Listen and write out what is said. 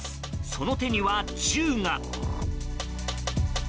その手には銃が。